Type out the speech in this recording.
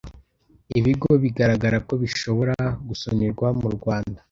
ibigo bigaragara ko bishobora gusonerwa mu rwanda